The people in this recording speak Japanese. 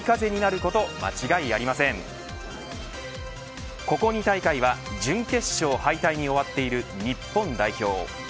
ここ２大会は準決勝敗退に終わっている日本代表。